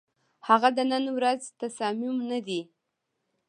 هغه د نن ورځ تصامیم نه دي،